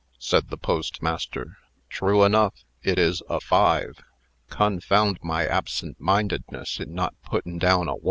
said the postmaster. "True enough, it is a 5. Confound my absent mindedness in not puttin' down a 1."